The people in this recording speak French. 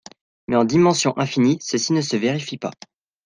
Mais en dimension infinie, ceci ne se vérifie pas.